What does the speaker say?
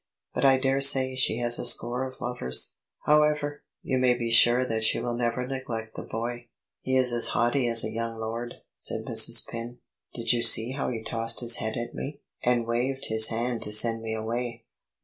"But I daresay she has a score of lovers. However, you may be sure that she will never neglect the boy." "He's as haughty as a young lord," said Mrs. Penn. "Did you see how he tossed his head at me, and waved his hand to send me away?"